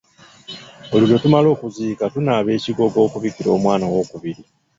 Buli lwe tumala okuziika tunaaba ekigogo okubikira omwana owookubiri.